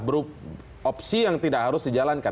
berupa opsi yang tidak harus dijalankan